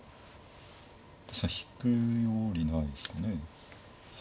確かに引くよりないですかね。